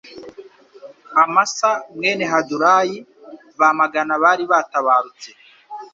Amasa mwene Hadulayi bamagana abari batabarutse